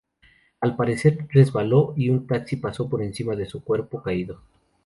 Al parecer, resbaló, y un taxi pasó por encima de su cuerpo caído.